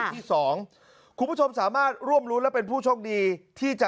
ที่สองคุณผู้ชมสามารถร่วมรุ้นและเป็นผู้โชคดีที่จะ